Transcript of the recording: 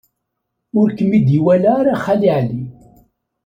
Ur kem-id-iwala ara Xali Ɛli.